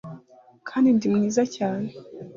kandi ndi mwiza cyane